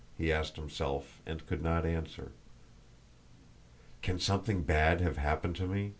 he asked himself and could not answer. "Can something bad have happened to me?"